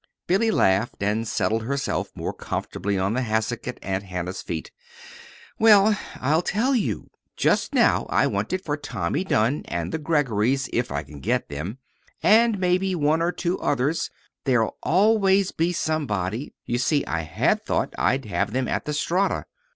Billy laughed, and settled herself more comfortably on the hassock at Aunt Hannah's feet. "Well, I'll tell you. Just now I want it for Tommy Dunn, and the Greggorys if I can get them, and maybe one or two others. There'll always be somebody. You see, I had thought I'd have them at the Strata."